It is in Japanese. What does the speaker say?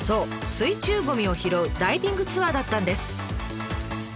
水中ゴミを拾うダイビングツアーだったんです。